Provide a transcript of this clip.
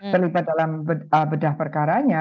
terlibat dalam bedah perkaranya